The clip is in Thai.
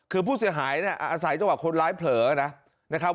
คือผู้เสียหายเนี่ยอาศัยจังหวะคนร้ายเผลอนะครับ